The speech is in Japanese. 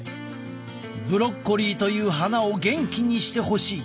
ブロッコリーという花を元気にしてほしい。